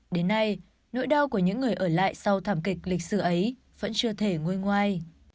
đến nay nỗi đau của những người ở lại sau thảm kịch lịch sử ấy vẫn chưa thể ngôi ngoài